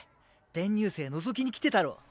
転入生のぞきに来てたろ？